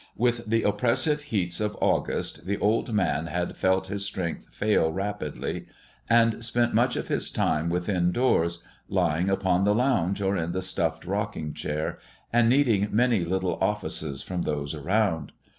With the oppressive heats of August the old man had felt his strength fail rapidly, and spent much of his time within doors, lying upon the lounge or in the stuffed rocking chair, and needing many little offices from those around.